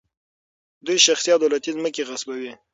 دوی شخصي او دولتي ځمکې غصبوي.